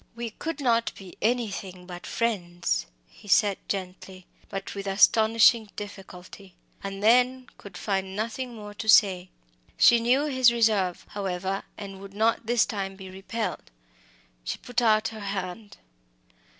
"We could not be anything but friends," he said gently, but with astonishing difficulty; and then could find nothing more to say. She knew his reserve, however, and would not this time be repelled. She put out her hand.